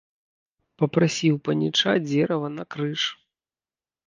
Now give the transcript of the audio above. Папрасі ў паніча дзерава на крыж.